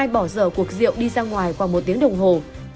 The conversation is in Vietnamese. hai bỏ dở cuộc rượu đi ra ngoài khoảng một tiếng đồng hồ